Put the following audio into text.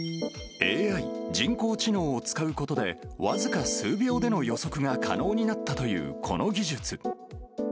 ＡＩ・人工知能を使うことで、僅か数秒での予測が可能になったという、この技術。